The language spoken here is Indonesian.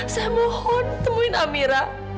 saya mohon temuin amira